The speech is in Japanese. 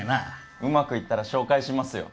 うまくいったら紹介しますよ